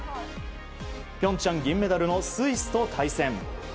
平昌銀メダルのスイスと対戦。